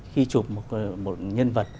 khi chụp một nhân vật